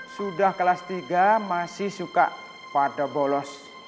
sudah kelas tiga masih suka pada bolos